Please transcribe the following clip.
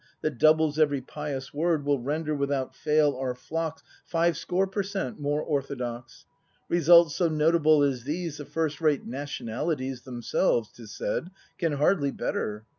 That doubles every pious word. Will render without fail our flocks Fivescore per cent, more orthodox. Results so notable as these The first rate Nationalities Themselves, 'tis said, can hardly better.